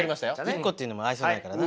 一個っていうのも愛想ないからな。